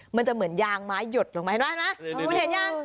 มันจะเหมือนยางไม้หยดลงมาเห็นไหมคุณเห็นยัง